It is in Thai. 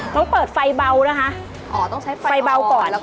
ต้องเปิดไฟเบานะคะอ๋อต้องใช้ไฟเบาก่อนแล้วก็